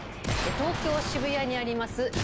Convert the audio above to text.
東京・渋谷にあります